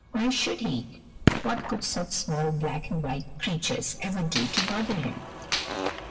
Why should he? What could such small black and white creatures ever do to bother him?